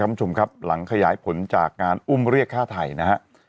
คุณผู้ชมครับหลังขยายผลจากงานอุ้มเรียกฆ่าไทยนะฮะ